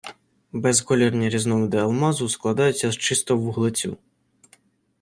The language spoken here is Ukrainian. Безколірні різновиди алмазу складаються з чистого вуглецю.